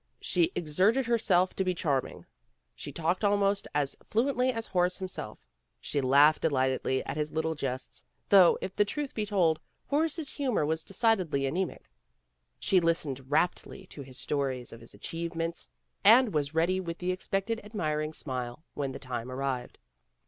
She exerted her self to be charming. She talked almost as fluently as Horace himself. She laughed de lightedly at his little jests ; though, if the truth AN AFTERNOON CALL 65 be told, Horace's humor was decidedly anemic. She listened raptly to his stories of his achieve ments, and was ready with the expected admiring smile when the time arrived.